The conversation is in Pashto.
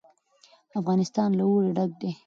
افغانستان له اوړي ډک دی.